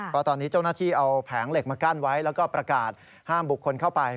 ก็ตอนนี้เจ้าหน้าที่เอาแผงเหล็กมากั้นไว้แล้วก็ประกาศห้ามบุคคลเข้าไป